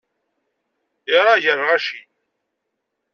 Iraε gar lɣaci.